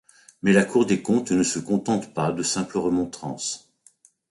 Mais la Cour des comptes ne se contente pas de simples remontrances.